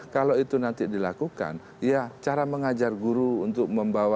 kalau itu nanti dilakukan ya cara mengajar guru untuk membawa